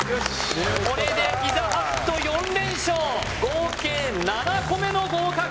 これでピザハット４連勝合計７個目の合格！